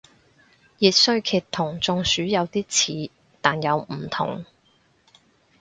熱衰竭同中暑有啲似但又唔同